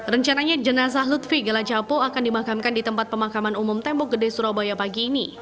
rencananya jenazah lutfi galajapo akan dimakamkan di tempat pemakaman umum tembok gede surabaya pagi ini